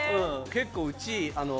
結構うち。